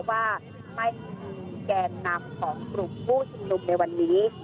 ว่าไม่แกนรับของกลุ่มผู้ชื่นลุมในวันนี้